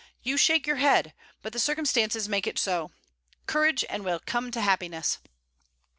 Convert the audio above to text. You shake your head. But the circumstances make it so. Courage, and we come to happiness!